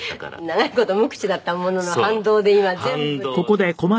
長い事無口だったものの反動で今全部出ちゃう。